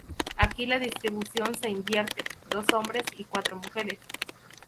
Aquí la distribución se invierte: dos hombres y cuatro mujeres.